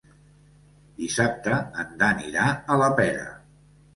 Dissabte en Dan irà a la Pera.